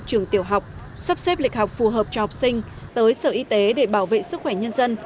trường tiểu học sắp xếp lịch học phù hợp cho học sinh tới sở y tế để bảo vệ sức khỏe nhân dân